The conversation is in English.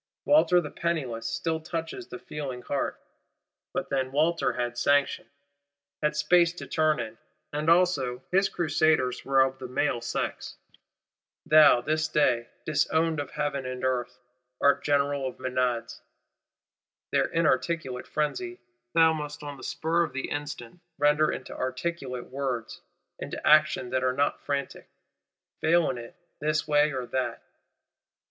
Walter the Penniless still touches the feeling heart: but then Walter had sanction; had space to turn in; and also his Crusaders were of the male sex. Thou, this day, disowned of Heaven and Earth, art General of Menads. Their inarticulate frenzy thou must on the spur of the instant, render into articulate words, into actions that are not frantic. Fail in it, this way or that!